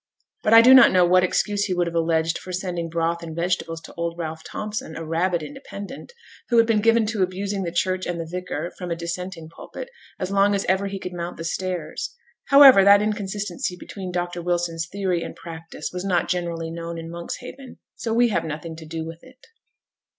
But I do not know what excuse he would have alleged for sending broth and vegetables to old Ralph Thompson, a rabid Independent, who had been given to abusing the Church and the vicar, from a Dissenting pulpit, as long as ever he could mount the stairs. However, that inconsistency between Dr Wilson's theories and practice was not generally known in Monkshaven, so we have nothing to do with it.